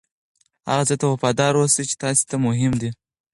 هغه څه ته وفادار اوسئ چې تاسې ته مهم دي.